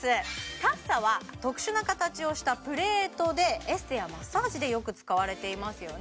カッサは特殊な形をしたプレートでエステやマッサージでよく使われていますよね